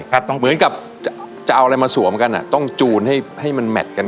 เหมือนกับจะเอาอะไรมาสวมกันอ่ะต้องจูนให้ให้มันแมทกัน